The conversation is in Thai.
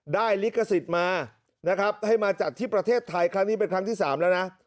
ลิขสิทธิ์มานะครับให้มาจัดที่ประเทศไทยครั้งนี้เป็นครั้งที่๓แล้วนะ